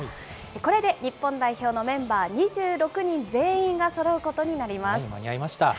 これで日本代表のメンバー２６人全員がそろうことになります。